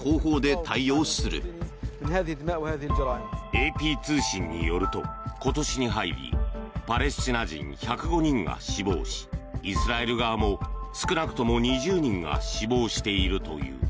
ＡＰ通信によると今年に入りパレスチナ人１０５人が死亡しイスラエル側も少なくとも２０人が死亡しているという。